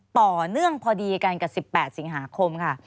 ต่อเนื่องพอดีกันกับ๑๘สิงหาคมค่ะ